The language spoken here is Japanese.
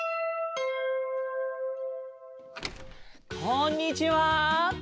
こんにちは！